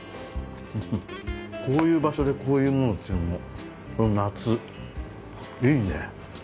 こういう場所でこういうものっていうのもこの夏いいね。